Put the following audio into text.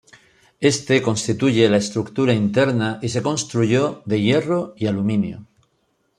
Este constituye la estructura interna y se construyó de hierro y aluminio.